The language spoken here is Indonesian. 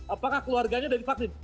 apakah keluarganya sudah divaksin